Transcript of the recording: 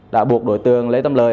đã buộc đối tượng lê tâm lợi